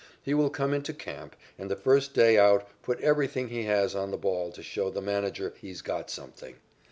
He will come into camp, and the first day out put everything he has on the ball to show the manager "he's got something."